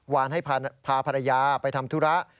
วานให้พาภรรยาไปทำธุระ